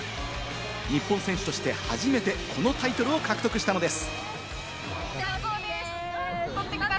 日本選手として初めてこのタイトルを獲得したのです。